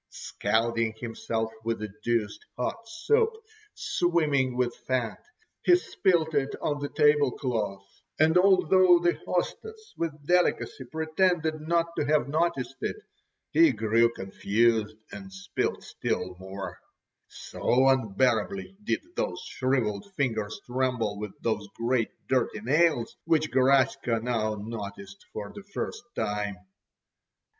Scalding himself with the deuced hot soup, swimming with fat, he spilt it on the table cloth, and although the hostess with delicacy pretended not to have noticed it, he grew confused and spilt still more; so unbearably did those shrivelled fingers tremble with those great dirty nails, which Garaska now noticed for the first time.